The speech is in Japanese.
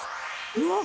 うわっ！